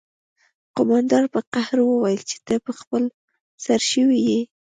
قومندان په قهر وویل چې ته خپل سری شوی یې